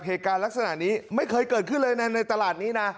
เหตุการณ์ลักษณะนี้ไม่เคยเกิดขึ้นเลยในตลาดนี้นะ